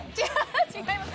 違います